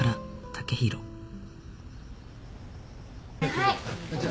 はい。